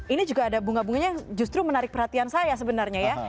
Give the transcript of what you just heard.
ini juga ada bunga bunganya yang justru menarik perhatian saya sebenarnya ya